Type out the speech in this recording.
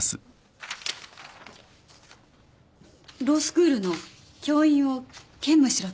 ロースクールの教員を兼務しろと？